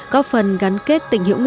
có phần gắn kết tình hữu nghị